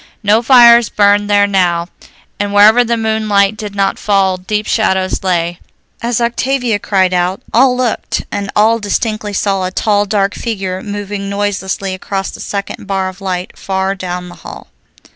No fires burned there now, and wherever the moonlight did not fall deep shadows lay. As Octavia cried out, all looked, and all distinctly saw a tall, dark figure moving noiselessly across the second bar of light far down the hall.